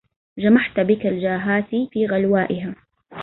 جمحت بك الجاهات في غلوائها